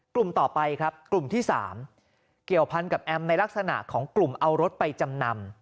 กลุ่มต่อไปครับกลุ่มที่๓เกี่ยวพันกับแอมในลักษณะของกลุ่มเอารถไปจำนำ